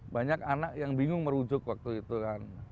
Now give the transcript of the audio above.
banyak anak yang bingung merujuk waktu itu kan